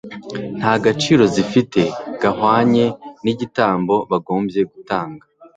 nta gaciro zifite gahwanye n'igitambo bagombye gutanga;